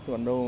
còn đâu mà